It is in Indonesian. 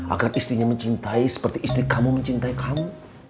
agar istrinya mencintai seperti istri kamu mencintai kamu